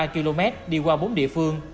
bảy mươi sáu ba km đi qua bốn địa phương